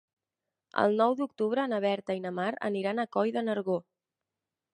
El nou d'octubre na Berta i na Mar aniran a Coll de Nargó.